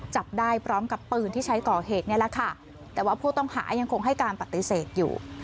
จับได้พร้อมกับปืนที่ใช้ก่อเหตุนี่แหละค่ะแต่ว่าผู้ต้องหายังคงให้การปฏิเสธอยู่